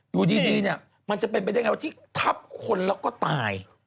อยู่ดีเนี่ยมันจะเป็นไปได้ไงว่าที่ทับคนแล้วก็ตาย